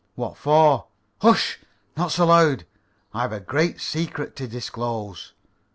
"What for?" "Hush! Not so loud. I've a great secret to disclose."